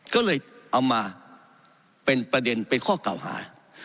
ก็เลยเอามาเป็นประเด็นเป็นข้อเก่าหา